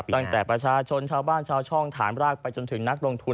ประชาชนชาวบ้านชาวช่องฐานรากไปจนถึงนักลงทุน